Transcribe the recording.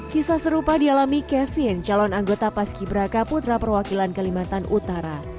kisah serupa dialami kevin calon anggota paski beraka putra perwakilan kalimantan utara